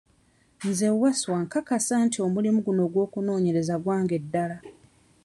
Nze Wasswa nkakasa nti omulimu guno ogw'okunoonyereza gwange ddala.